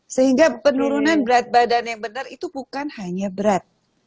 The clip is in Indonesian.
sehingga penurunan berat badan yang benar itu bukan hanya berat